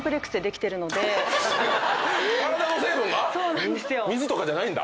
体の成分が⁉水とかじゃないんだ。